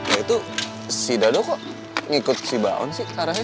ya itu si dado kok ngikut si baon sih tarahnya